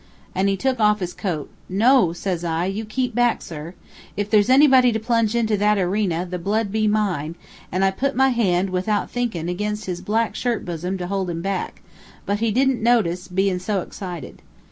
An' he took off his coat. 'No,' says I, 'you keep back, sir. If there's anybody to plunge into that erena, the blood be mine;' an' I put my hand, without thinkin', ag'in his black shirt bosom, to hold him back; but he didn't notice, bein' so excited.